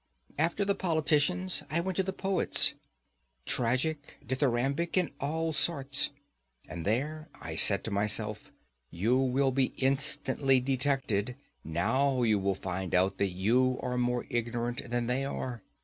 After the politicians, I went to the poets; tragic, dithyrambic, and all sorts. And there, I said to myself, you will be instantly detected; now you will find out that you are more ignorant than they are.